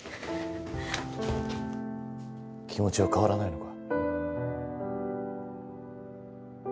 気持ちは変わらないのか？